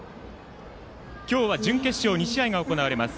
今日は準決勝２試合が行われます。